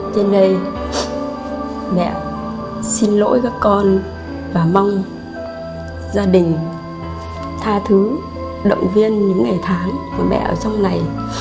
cho nên mẹ xin lỗi các con và mong gia đình tha thứ động viên những ngày tháng của mẹ ở trong này